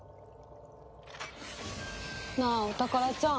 なあお宝ちゃん。